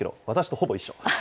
私とほぼ一緒。